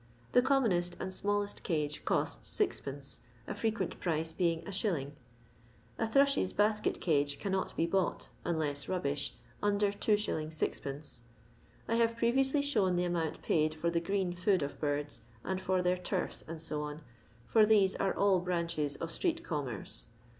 The commonest and smallest cage costs 6<i, a frequent price being Is. A thrashs basket cage cannot be bought, nnlasi rnbbish, under 2t. 6d, I hare preriously ahown the amount paid for the green food of birda, and for their turfr, &c, for these are all branchea of street commerce.